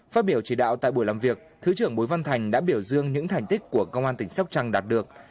phát biểu chỉ đạo tại buổi làm việc thứ trưởng bùi văn thành đã biểu dương những thành tích của công an tỉnh sóc trăng đạt được